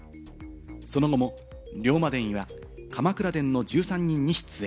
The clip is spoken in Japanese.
その後も『龍馬伝』や『鎌倉殿の１３人』に出演。